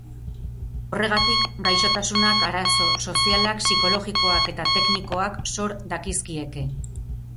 Horregatik, gaixotasunak arazo sozialak, psikologikoak eta teknikoak sor dakizkieke.